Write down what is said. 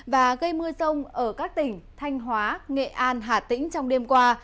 và gây mưa rông ở các tỉnh thanh hóa nghệ an hà tĩnh trong đêm qua